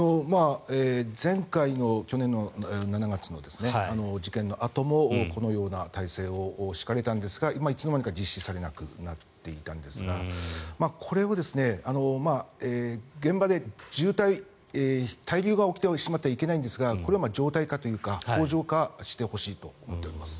前回の去年の７月の事件のあともこのような態勢を敷かれたんですが今、いつの間にか実施されなくなっていたんですがこれを現場で滞留が起きてしまってはいけないんですがこれを常態化というか恒常化してほしいと思っています。